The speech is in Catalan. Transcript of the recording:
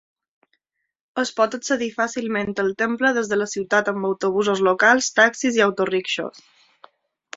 Es pot accedir fàcilment al temple des de la ciutat amb autobusos locals, taxis i auto-rickshaws.